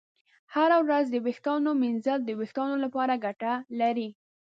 هره ورځ د ویښتانو ږمنځول د ویښتانو لپاره ګټه لري.